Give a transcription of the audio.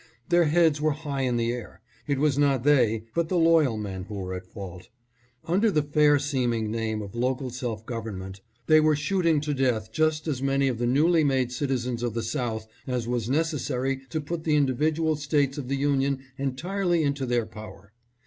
Their heads were high in the air. It was not they but the loyal men who were at fault. Under the fair seeming name of local self government, they were shooting to death just as many of the newly made citizens of the South as was necessary to put the individual States of the Union entirely into their power.